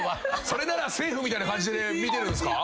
それならセーフみたいな感じで見てるんすか？